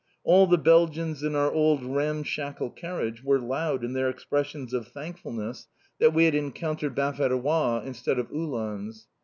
All the Belgians in our old ramshackle carriage were loud in their expressions of thankfulness that we had encountered Baverois instead of Uhlans.